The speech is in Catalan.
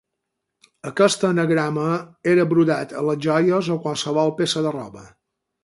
Aquest anagrama era brodat a les joies o a qualsevol peça de roba.